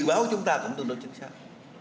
dự báo của chúng ta cũng tương đối chính xác